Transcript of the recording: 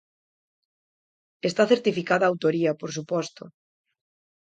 Está certificada a autoría, por suposto.